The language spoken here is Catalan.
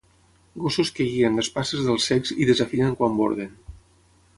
Gossos que guien les passes dels cecs i desafinen quan borden.